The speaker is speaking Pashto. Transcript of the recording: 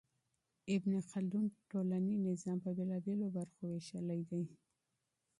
ابن خلدون ټولنيز نظام په بېلابېلو برخو وېشلی دی.